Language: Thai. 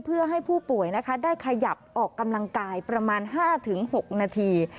เพื่อให้ผู้ป่วยได้ขยับออกกำลังกายประมาณ๕๖นาที